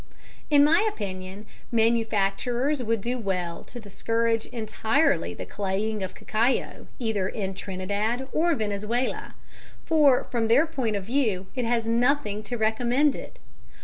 In my opinion manufacturers would do well to discourage entirely the claying of cacao either in Trinidad or Venezuela, for from their point of view it has nothing to recommend it.